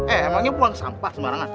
eh emangnya buang sampah sembarangan